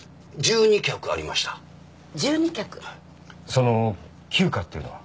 その旧家っていうのは？